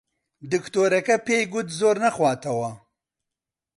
دکتۆرەکە پێی گوت زۆر نەخواتەوە.